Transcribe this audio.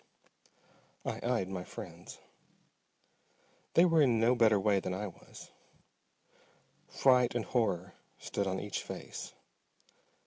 I eyed my friends. They were in no better way than was I. Fright and horror stood on each face.